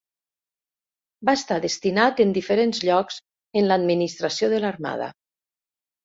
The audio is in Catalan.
Va estar destinat en diferents llocs en l'administració de l'Armada.